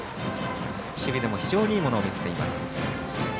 守備でも非常にいいものを見せています。